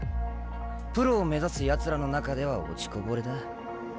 プロを目指すやつらの中では落ちこぼれだ。